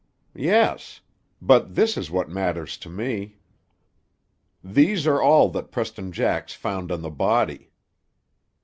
Yes. But this is what matters to me." "These are all that Preston Jax found on the body."